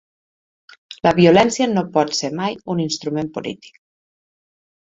La violència no pot ser mai un instrument polític.